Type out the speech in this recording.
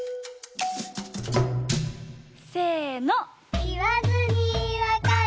せの！